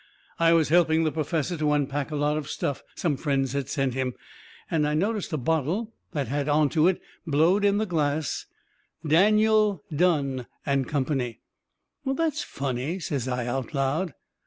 I was helping the perfessor to unpack a lot of stuff some friends had sent him, and I noticed a bottle that had onto it, blowed in the glass: DANIEL, DUNNE AND COMPANY "That's funny," says I, out loud.